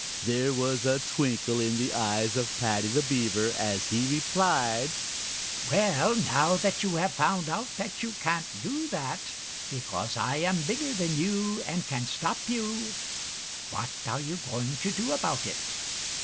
There was a twinkle in the eyes of Paddy the Beaver as he replied: "Well, now that you have found out that you can't do that, because I am bigger than you and can stop you, what are you going to do about it?"